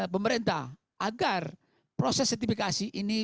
pemerintah agar proses sertifikasi ini